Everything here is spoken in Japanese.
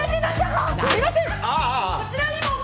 こちらにも。